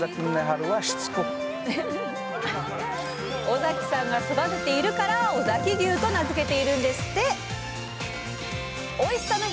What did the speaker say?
尾崎さんが育てているから「尾崎牛」と名付けているんですって。